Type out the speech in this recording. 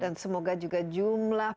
dan semoga juga jumlah